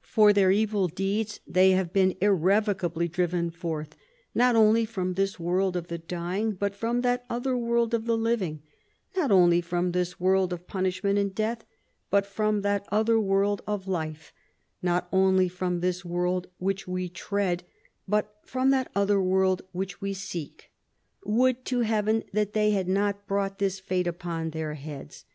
For their evil deeds they have been irrevoc ably driven forth, not only from this world of the dying, but from that other world of the living • not only from this world of punishment and death, but from that other world of life ; not only from this world which we tread, but from that other world which we seek. Would to Heaven that they had not brought this fate upon their heads